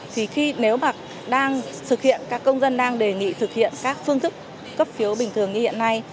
thì khi nếu mà đang thực hiện các công dân đang đề nghị thực hiện các phương thức cấp phiếu bình thường như hiện nay